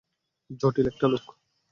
জটিল একটা লোক।